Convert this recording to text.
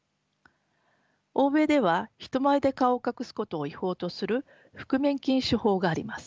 欧米では人前で顔を隠すことを違法とする覆面禁止法があります。